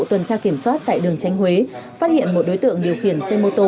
tuần tra kiểm soát tại đường tránh huế phát hiện một đối tượng điều khiển xe mô tô